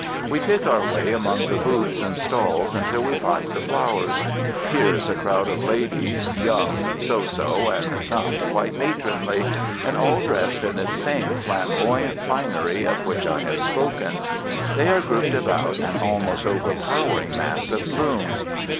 We pick our way among the booths and stalls until we find the flowers. Here is a crowd of ladies, young, so so and some quite matronly, and all dressed in this same flamboyant finery of which I have spoken. They are grouped about an almost overpowering mass of blooms.